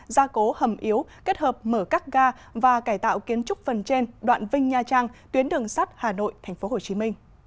gia cố hầm yếu kết hợp mở các ga và cải tạo kiến trúc phần trên đoạn vinh nha trang tuyến đường sắt hà nội tp hcm